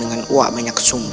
dengan wak minyak sumba